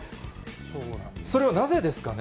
それはなぜですかね。